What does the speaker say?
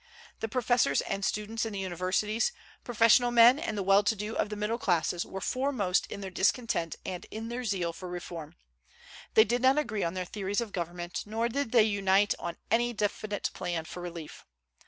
The professors and students in the universities, professional men, and the well to do of the middle classes were foremost in their discontent and in their zeal for reform. They did not agree in their theories of government, nor did they unite on any definite plan for relief.